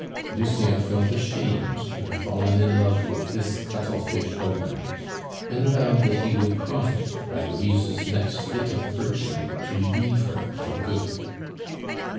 Lucien felt ashamed to have fallen in love with this cuttle fish bone, and vowed that he would profit by Louise's next fit of virtue to leave her for good.